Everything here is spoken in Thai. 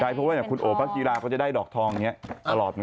ใช่เพราะว่าเนี่ยคุณโอ๋พระกีฬาก็จะได้ดอกทองเนี่ยตลอดนะครับ